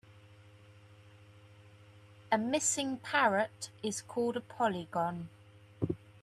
A missing parrot is called a polygon.